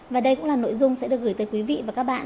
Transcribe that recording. và đây cũng là nội dung sẽ được gửi tới quý vị và các bạn